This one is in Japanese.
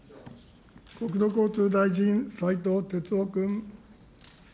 国土交通大臣、斉藤鉄夫君。